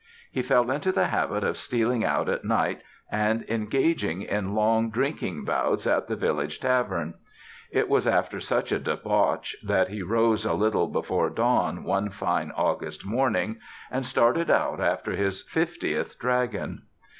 He fell into the habit of stealing out at night and engaging in long drinking bouts at the village tavern. It was after such a debauch that he rose a little before dawn one fine August morning and started out after his fiftieth dragon.